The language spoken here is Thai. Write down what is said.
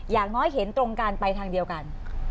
อย่างน้อยเห็นตรงกันไปทางเดียวกัน